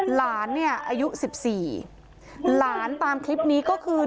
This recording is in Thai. หลานเนี่ยอายุสิบสี่หลานตามคลิปนี้ก็คือ